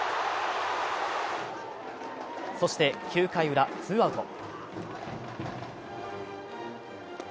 そして、９回ウラ、ツーアウト。